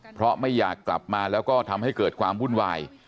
เพราะไม่อยากกลับมาแล้วก็ทำให้เกิดความวุ่นวาย